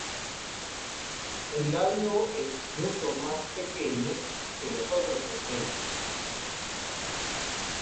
El labio es mucho más pequeño que los otros segmentos.